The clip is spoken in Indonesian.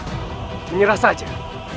ibu bunda disini nak